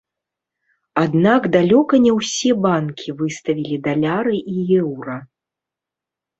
Аднак далёка не ўсе банкі выставілі даляры і еўра.